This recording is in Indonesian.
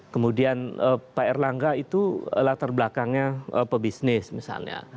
kemudian pak erlangga itu latar belakangnya pebisnis misalnya